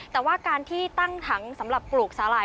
แต่ว่าการที่ตั้งถังสำหรับปลูกสาหร่าย